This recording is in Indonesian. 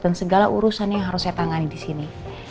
dan segala urusan yang harus saya tangani di sini